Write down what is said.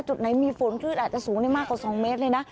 จุดไหนมีฝนคลื่นอาจจะสูงได้มากกว่า๒เมตรเลยนะ